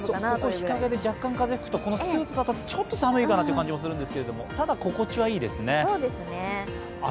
ここ日陰で若干風が吹くとスーツだとちょっと寒いかなという感じがするんですけど、ただ、心地はいいですね。